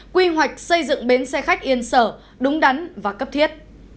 quy hoạch xây dựng bến xe khách yên sở đúng đắn và cấp thiết